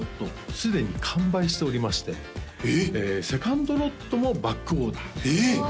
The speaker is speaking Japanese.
すでに完売しておりましてセカンドロットもバックオーダーええっ！